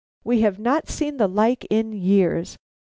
We have not seen the like in years!